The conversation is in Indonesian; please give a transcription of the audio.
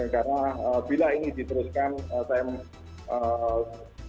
karena bila ini diteruskan saya eee